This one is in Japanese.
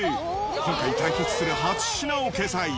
今回、対決する８品を掲載。